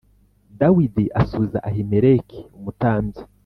Dawidi asubiza Ahimeleki umutambyi